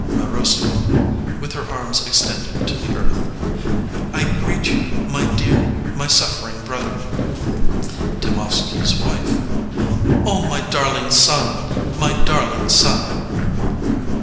Marussya. [With her arms extended to the earth.] I greet you, my dear, my suffering brother. Temovsky 's Wife. Oh, my darling son! My darling son!